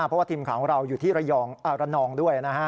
เพราะว่าทีมของเราอยู่ที่ระยองอารณองด้วยนะฮะ